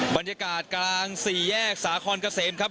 บรรยากาศกลาง๔แยกสาขอนกะเสมครับ